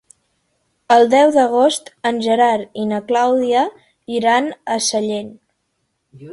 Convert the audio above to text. El deu d'agost en Gerard i na Clàudia iran a Sellent.